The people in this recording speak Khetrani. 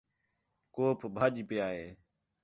کُوپ ٻَجھ پیا ہے